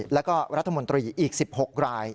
แล้วก็รัฐมนตรีอีก๑๖ราย